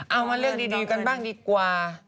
เอามาเรื่องดีกันบ้างดีกว่า